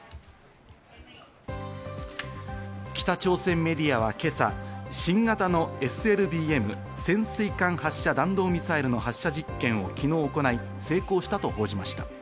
北朝鮮メディアは今朝、新型のＳＬＢＭ＝潜水艦発射弾道ミサイルの発射実験を昨日行い、成功したと報じました。